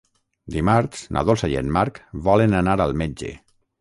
Dimarts na Dolça i en Marc volen anar al metge.